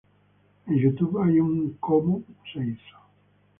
En Youtube hay un cómo se hizo.